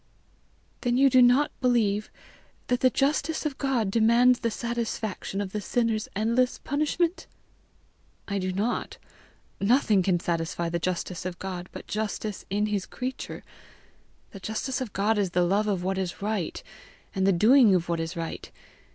"Then you do not believe that the justice of God demands the satisfaction of the sinner's endless punishment?" "I do not. Nothing can satisfy the justice of God but justice in his creature. The justice of God is the love of what is right, and the doing of what is right.